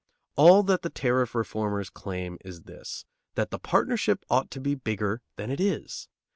All that the tariff reformers claim is this: that the partnership ought to be bigger than it is.